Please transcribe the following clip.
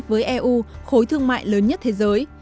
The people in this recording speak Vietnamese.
với eu khối thương mại lớn nhất thế giới